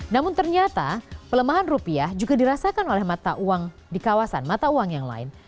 namun ternyata pelemahan rupiah juga dirasakan oleh mata uang di kawasan mata uang yang lain